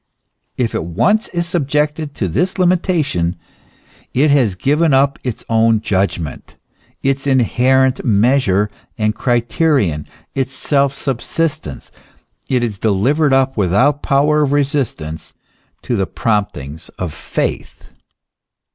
If it once is subjected to this limitation, it has given up its own judgment, its inherent measure and crite rion, its self subsistence ; it is delivered up without power of resistance to the promptings of faith.